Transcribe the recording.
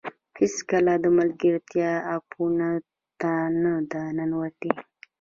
هېڅکله د ملګرتیا اپونو ته نه ده ننوتې